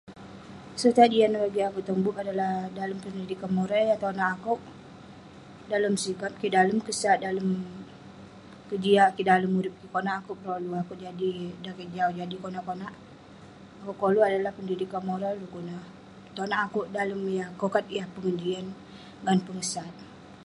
Seritak jian bagik akouk tong bul adalah dalem Pendidikan Moral yah tonak akouk dalem sikap kik, dalem kesat, dalem kejiak kik dalem urip kik. Konak akouk perolu jadi dan kek jau , jadi konak konak. Akouk koluk adalah pendidikan moral dekuk neh tonak akouk dalem kokat yah pengejian ngan pengesat.